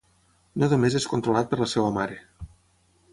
No només és controlat per la seva mare.